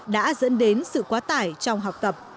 đã dẫn đến sự quá tải trong học tập